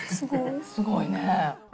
すごいね。